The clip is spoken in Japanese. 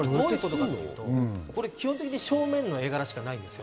基本的に正面の絵柄しかないんですよ。